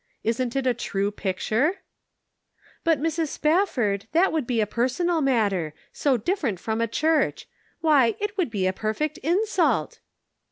Isn't it a true picture ?" "But, Mrs. Spafford, that would be a per sonal matter ; so different from a church. Why, it would be a perfect insult